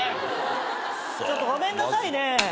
ちょっとごめんなさいね。